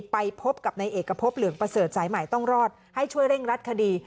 ไปพบกับในเอกพบเหลืองประเสริฐสายใหม่ต้องรอดให้ช่วยเร่งรัดคดี